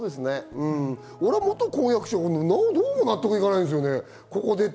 俺、元婚約者にどうも納得いかないんですよね。